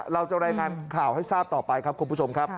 เราจะรายงานข่าวให้ทราบต่อไปครับคุณผู้ชมครับ